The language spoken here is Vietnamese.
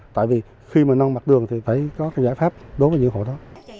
tại vì khi mà nâng mặt đường thì phải có cái giải pháp đối với những hộ đó